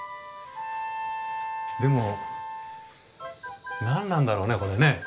でも何なんだろうねこれね。